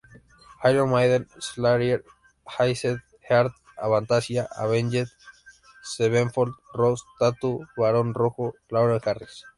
Iron Maiden, Slayer, Iced Earth, Avantasia, Avenged Sevenfold, Rose Tattoo, Barón Rojo, Lauren Harris.